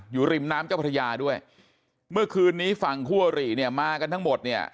อยู่ริมน้ำเจ้าพระยาด้วยเมื่อคืนนี้ฝั่งคู่อริเนี่ยมากันทั้งหมดเนี่ย